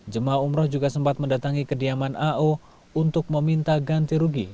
jemaah umroh juga sempat mendatangi kediaman ao untuk meminta ganti rugi